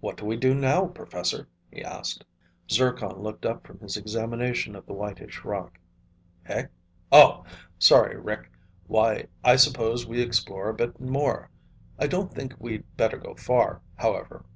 "What do we do now, professor?" he asked. Zircon looked up from his examination of the whitish rock. "Eh? Oh. Sorry, Rick. Why, I suppose we explore a bit more. I don't think we'd better go far, however.